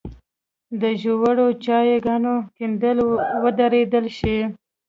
د ژورو څاه ګانو کیندل ودرول شي.